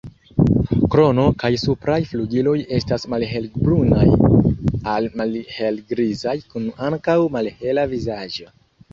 Krono kaj supraj flugiloj estas malhelbrunaj al malhelgrizaj, kun ankaŭ malhela vizaĝo.